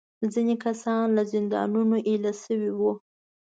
ځینې کسان له زندانونو ایله شوي وو.